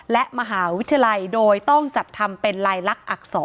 และมหาวิทยาลัยโดยต้องจัดทำเป็นลายลักษณ์อักษร